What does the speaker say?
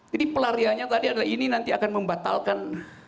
jadi pelarianya tadi adalah ini nanti akan membatalkan